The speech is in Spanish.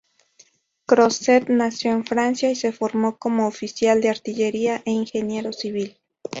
Crozet nació en Francia y se formó como oficial de artillería e ingeniero civil.